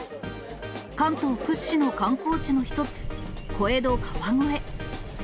関東屈指の観光地の１つ、小江戸・川越。